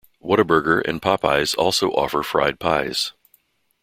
Whataburger and Popeyes also offer fried pies.